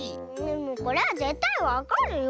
これはぜったいわかるよ。